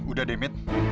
udah deh mit